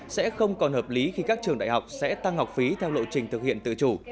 sẽ không còn hợp lý khi các trường đại học sẽ tăng học phí theo lộ trình thực hiện tự chủ